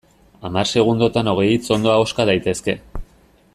Hamar segundotan hogei hitz ondo ahoska daitezke.